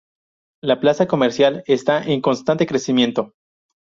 La plaza comercial está en constante crecimiento.